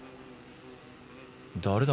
誰だ？